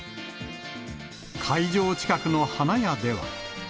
会場近くの花屋では。